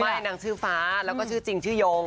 นางชื่อฟ้าแล้วก็ชื่อจริงชื่อยง